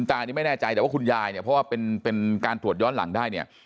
ตานี่ไม่แน่ใจแต่ว่าคุณยายเนี่ยเพราะว่าเป็นการตรวจย้อนหลังได้เนี่ย